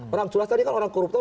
orang culas tadi kan orang koruptor